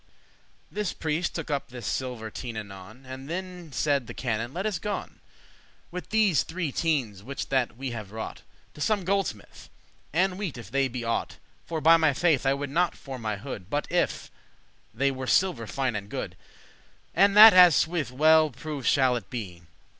This priest took up this silver teine anon; And thenne said the canon, "Let us gon, With these three teines which that we have wrought, To some goldsmith, and *weet if they be aught:* *find out if they are For, by my faith, I would not for my hood worth anything* *But if* they were silver fine and good, *unless And that as swithe* well proved shall it be."